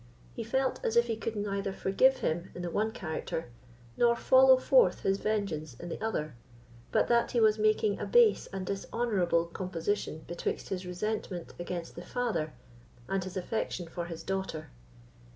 He felt as if he could neither forgive him in the one character, nor follow forth his vengeance in the other, but that he was making a base and dishonourable composition betwixt his resentment against the father and his affection for his daughter.